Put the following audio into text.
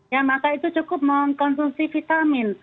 ya maka itu cukup mengkonsumsi vitamin